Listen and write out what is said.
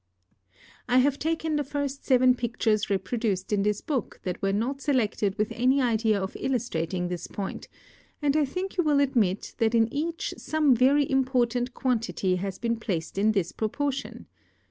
I have taken the first seven pictures reproduced in this book that were not selected with any idea of illustrating this point, and I think you will admit that in each some very important quantity has been placed in this proportion.